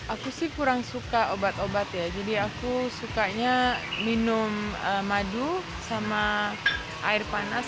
aku sih kurang suka obat obat ya jadi aku sukanya minum madu sama air panas